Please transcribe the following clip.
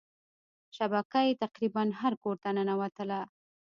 شبکه یې تقريبا هر کورته ننوتله.